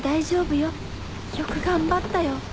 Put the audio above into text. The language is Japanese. よく頑張ったよ